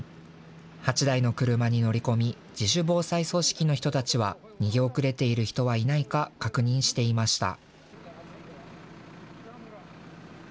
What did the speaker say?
８台の車に乗り込み自主防災組織の人たちは逃げ遅れている人はいないか確認していました。